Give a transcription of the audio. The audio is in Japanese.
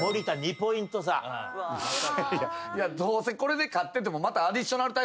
いやどうせこれで勝ってても。